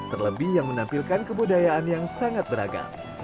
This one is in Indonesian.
terlebih yang menampilkan kebudayaan yang sangat beragam